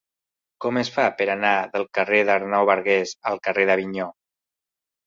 Com es fa per anar del carrer d'Arnau Bargués al carrer d'Avinyó?